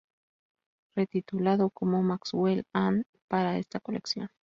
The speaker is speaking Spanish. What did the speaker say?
Retitulado como "Maxwell and I" para esta colección.